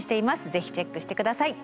是非チェックしてください。